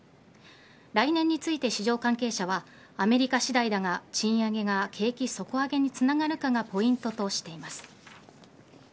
来年について市場関係者はアメリカ次第だが賃上げが景気底上げにつながるかがポイントとしています。